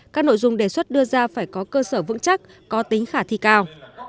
các nội dung đề xuất đưa ra phải có cơ sở vững chắc có tính khả thi cao